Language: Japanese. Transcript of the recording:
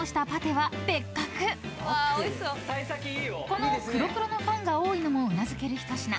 ［この黒×黒のファンが多いのもうなずける一品］